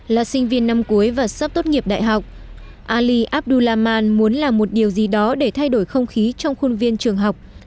là sinh viên năm cuối và sắp tốt nghiệp đại học ali abdullahman muốn làm một điều gì đó để thay đổi không khí trong khuôn viên trường học